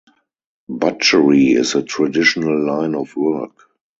Butchery is a traditional line of work.